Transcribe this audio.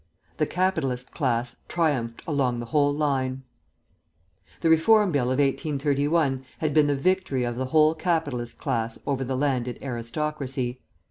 The capitalist class triumphed along the whole line. "The Reform Bill of 1831 had been the victory of the whole capitalist class over the landed aristocracy.